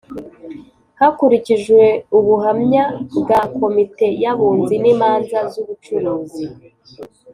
Hakurikijwe ubuhamya bwa komite y’abunzi n’imanza z’ubucuruzi